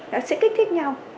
nó sẽ kích thích nhau